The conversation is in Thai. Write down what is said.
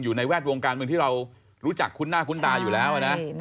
แวดวงการเมืองที่เรารู้จักคุ้นหน้าคุ้นตาอยู่แล้วนะ